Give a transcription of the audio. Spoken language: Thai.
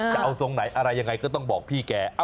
จะเอาทรงไหนอะไรยังไงก็ต้องบอกพี่แก